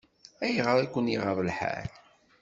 Ayɣer i ken-iɣaḍ lḥal?